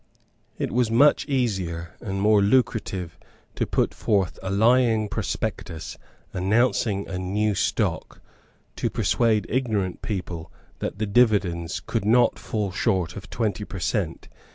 It was much easier and much more lucrative to put forth a lying prospectus announcing a new stock, to persuade ignorant people that the dividends could not fall short of twenty per cent.